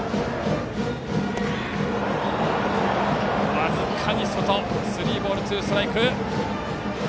僅かに外、スリーボールツーストライク。